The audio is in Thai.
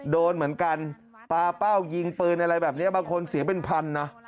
โดนเหมือนกันปลาเป้ายิงปืนอะไรแบบนี้บางคนเสียเป็นพันนะ